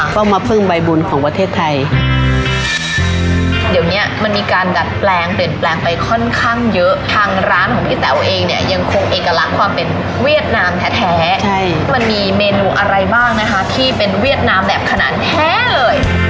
ค่อนข้างร้านของพี่เต๋าเองเนี่ยยังคงเอกลักษณ์ว่าเป็นเวียดนามแท้